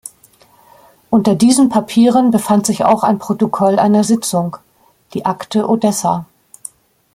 Unter diesen Papieren befand sich auch ein Protokoll einer Sitzung: die "Akte Odessa".